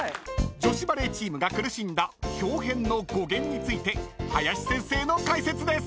［女子バレーチームが苦しんだ「豹変」の語源について林先生の解説です］